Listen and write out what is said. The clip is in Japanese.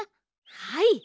はい。